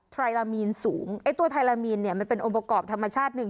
ไรลามีนสูงไอ้ตัวไทรามีนเนี่ยมันเป็นองค์ประกอบธรรมชาติหนึ่ง